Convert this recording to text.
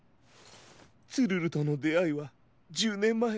ツルルとのであいは１０ねんまえ。